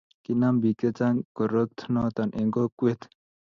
kinaam biik chechang korot noto eng kokwet